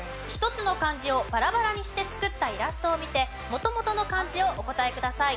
１つの漢字をバラバラにして作ったイラストを見て元々の漢字をお答えください。